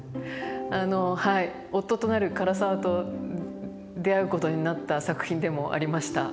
あのはい夫となる唐沢と出会うことになった作品でもありました。